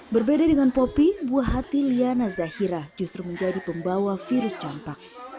berbeda dengan popi buah hati liana zahira justru menjadi pembawa virus campak